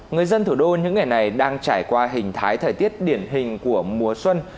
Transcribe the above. người dân thủ đô những ngày này đang trải qua hình thái thời tiết điển hình của mùa xuân